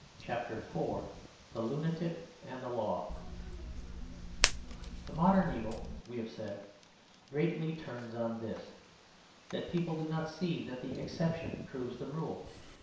CHAPTER IV THE LUNATIC AND THE LAW The modern evil, we have said, greatly turns on this: that people do not see that the exception proves the rule.